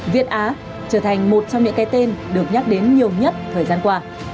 việt á trở thành một trong những cái tên được nhắc đến nhiều nhất thời gian qua